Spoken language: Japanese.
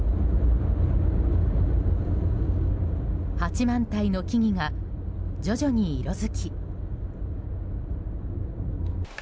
八幡平の木々が徐々に色付き。